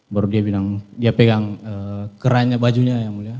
baru dia bilang dia pegang keranjanya bajunya ya mulia